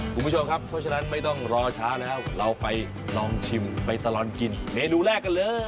คุณผู้ชมครับเพราะฉะนั้นไม่ต้องรอช้าแล้วเราไปลองชิมไปตลอดกินเมนูแรกกันเลย